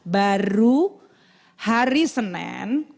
baru hari senin